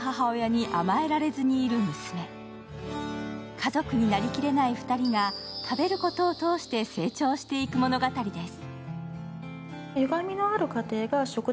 家族になりきれない２人が食べることを通して成長していく物語です。